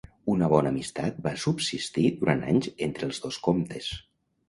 Una bona amistat va subsistir durant anys entre els dos comtes.